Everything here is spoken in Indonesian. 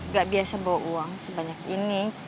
gak biasa bawa uang sebanyak ini